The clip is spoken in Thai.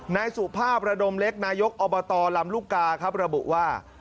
นายสุภาพระดมเล็กนายกอบตลำลูกกาครับระบุว่า